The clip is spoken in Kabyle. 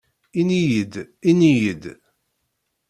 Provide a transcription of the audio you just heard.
Ini-iyi-d, ini-iyi-d.